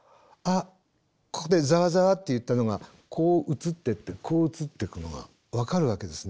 ここでザワザワっていったのがこう移ってってこう移っていくのが分かるわけですね。